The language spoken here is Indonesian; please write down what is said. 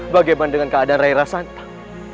bagaimana dengan keadaan rai rasantang